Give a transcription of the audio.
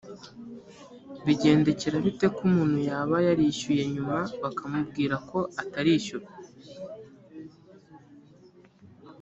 bigendekera bite ko umuntu yaba yarishyuye nyuma bakamubwir ko atarishyura